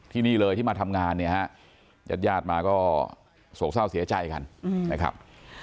ที่นี่เลยที่มาทำงานเนี่ยฮะญาติญาติมาก็โศกเศร้าเสียใจกันนะครับ